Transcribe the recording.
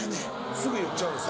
すぐ言っちゃうんです。